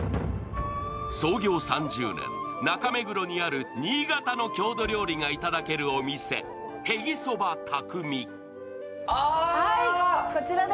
創業３０年、中目黒にある新潟の郷土料理がいただけるお店、へぎそば匠。